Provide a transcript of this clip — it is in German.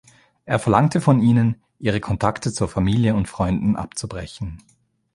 Er verlangte von ihnen, ihre Kontakte zur Familie und Freunden abzubrechen.